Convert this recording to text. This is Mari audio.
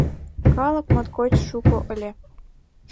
Калык моткоч шуко ыле.